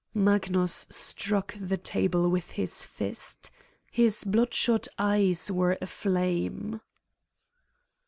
..." Magnus struck the table with his fist. His bloodshot eyes were aflame.